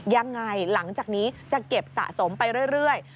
หลังจากนี้จะเก็บสะสมไปเรื่อย